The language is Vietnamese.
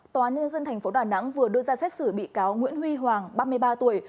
tòa nhân dân thành phố đà nẵng vừa đưa ra xét xử bị cáo nguyễn huy hoàng ba mươi ba tuổi